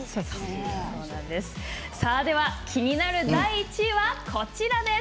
では気になる第１位はこちらです。